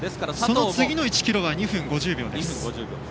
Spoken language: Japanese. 次の１ｋｍが２分５０秒です。